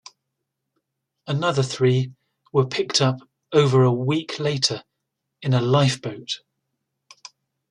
Another three were picked up over a week later in a lifeboat.